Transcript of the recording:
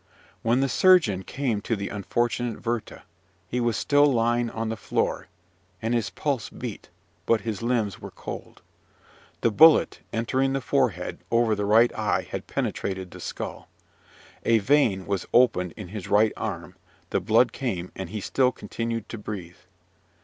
When the surgeon came to the unfortunate Werther, he was still lying on the floor; and his pulse beat, but his limbs were cold. The bullet, entering the forehead, over the right eye, had penetrated the skull. A vein was opened in his right arm: the blood came, and he still continued to breathe.